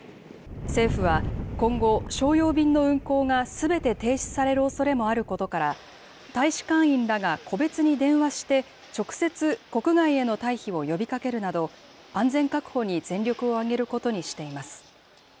政府は、今後、商用便の運航がすべて停止されるおそれもあることから、大使館員らが個別に電話して、直接、国外への退避を呼びかけるなど、安全確保に全力を挙げることにしています。